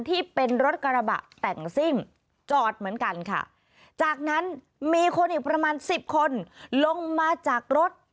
ที่เป็นรถกระบะแต่งซิ่งจอดเหมือนกันค่ะจากนั้นมีคนอีกประมาณสิบคนลงมาจากรถ